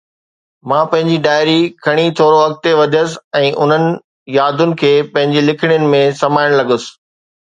۽ مان پنهنجي ڊائري کڻي ٿورو اڳتي وڌيس ۽ انهن يادن کي پنهنجي لکڻين ۾ سمائڻ لڳس